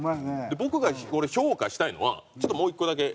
僕がこれ評価したいのはちょっともう１個だけ。